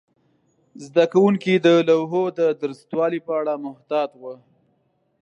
زده کوونکي د لوحو د درستوالي په اړه محتاط وو.